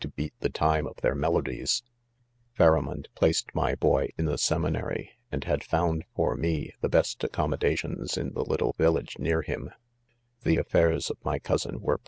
^beat; the time of their melodies^ : 5 Pharamond .placed, my boy , in the •fiem ina* r y, and ha$ found for.me, the 'best accommoda* tioiis, iin.:the little village. ,, near ,: him, ».. The* af fairsioLmy. cousin were